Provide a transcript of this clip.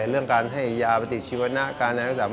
เรื่องการให้ยาปฏิชีวนะการอะไรรักษา